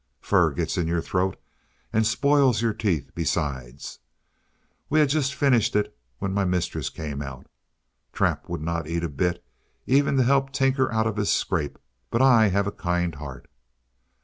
Fur gets in your throat, and spoils your teeth, besides. We had just finished it when my mistress came out. Trap would not eat a bit, even to help Tinker out of his scrape, but I have a kind heart.